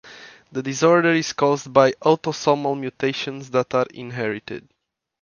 The disorder is caused by autosomal mutations that are inherited.